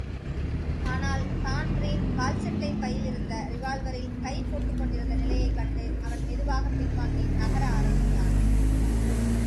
ஆனால் தான்பிரீன் கால்சட்டைப் பையிலிருந்த ரிவால்வரில் கை போட்டுக்கொண்டிருந்த நிலையைக் கண்டு, அவன் மெதுவாகப் பின்வாங்கி நகர ஆரம்பித்தான்.